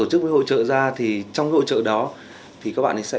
rồi hai đứa kia